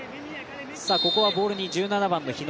ここはボールに１７番の日野